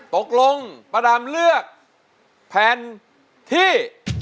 ตกลงป้าดำเลือกแผ่นที่